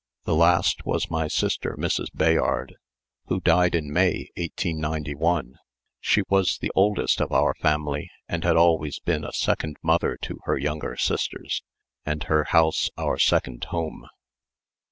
The last was my sister Mrs. Bayard, who died in May, 1891. She was the oldest of our family, and had always been a second mother to her younger sisters, and her house our second home.